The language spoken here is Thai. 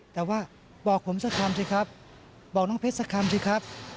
แต่ว่าบอกผมสักคำสิครับบอกน้องเพชรสักคำสิครับ